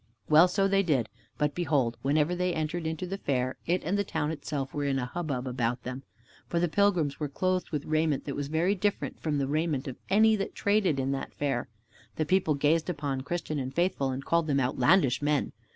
Well, so they did, but behold, whenever they entered into the fair, it and the town itself were in a hubbub about them. For the pilgrims were clothed with raiment that was very different from the raiment of any that traded in that fair. The people gazed upon Christian and Faithful and called them outlandish men.